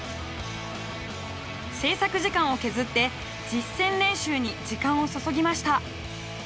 製作時間を削って実践練習に時間を注ぎました。